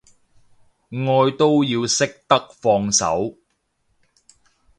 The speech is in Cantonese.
愛都要識得放手